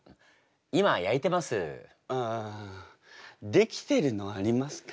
出来てるのありますか？